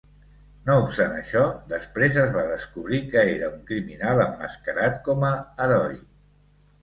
No obstant això, després es va descobrir que era un criminal emmascarat com a heroi.